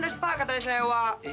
kan pak katanya sewa